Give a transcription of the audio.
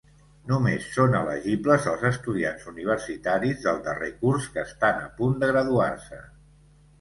Només són elegibles els estudiants universitaris del darrer curs que estan a punt de graduar-se.